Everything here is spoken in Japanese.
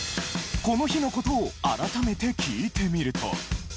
この日のことを改めて聞いてみると。